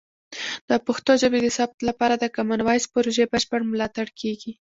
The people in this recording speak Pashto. د پښتو ژبې د ثبت لپاره د کامن وایس پروژې بشپړ ملاتړ کیږي.